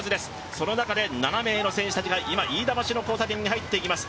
その中で７名の選手たちが今、飯田橋の交差点に入っていきます。